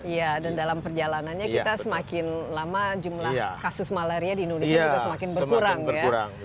iya dan dalam perjalanannya kita semakin lama jumlah kasus malaria di indonesia juga semakin berkurang ya